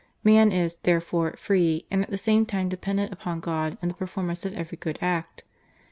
Man is, therefore, free, and at the same time dependent upon God in the performance of every good act.